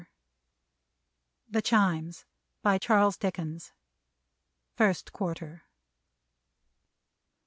THE CHIMES. BY CHARLES DICKENS. FIRST QUARTER.